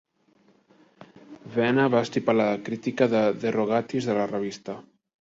Wenner va estripar la crítica de DeRogatis de la revista.